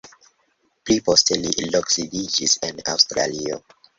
Pli poste li loksidiĝis en Aŭstralio.